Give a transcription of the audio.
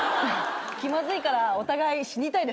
気まずいからお互い死にたいですね。